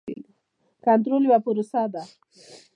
کنټرول یوه پروسه ده.